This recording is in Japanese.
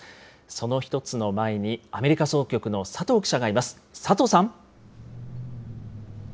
その１つの前にアメリカ総局の佐藤記者がいます。